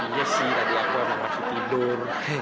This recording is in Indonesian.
iya sih tadi aku emang masih tidur